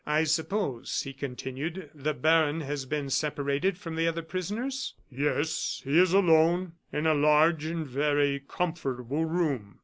"I suppose," he continued, "the baron has been separated from the other prisoners?" "Yes, he is alone, in a large and very comfortable room."